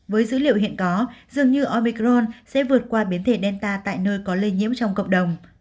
với dữ liệu hiện có dường như omicron sẽ vượt qua biến thể delta tại nơi có lây nhiễm trong cộng đồng